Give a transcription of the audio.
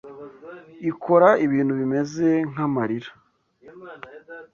Ikora ibintu bimeze nk’amarira